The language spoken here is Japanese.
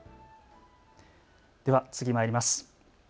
では次まいります。